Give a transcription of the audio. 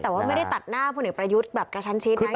แต่ว่าไม่ได้ตัดหน้าผู้หญิงประยุทธ์กระชันฉีดหูห์นะ